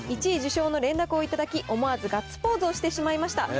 １位受賞の連絡を頂き、思わずガッツポーズをしてしまいました。